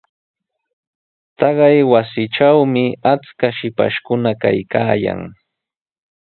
Taqay wasitrawmi achkaq shipashkuna kaykaayan.